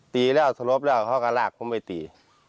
ตีแล้วสลบแล้วเขาก็ลากผมไปตี